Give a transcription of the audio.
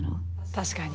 確かに。